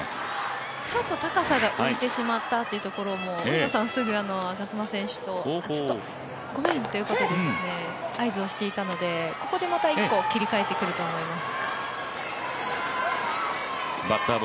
ちょっと高さが浮いてしまったというところも、すぐ、我妻選手とごめん！っていうことで合図をしていたので、ここでまた一個、切り替えてくると思います。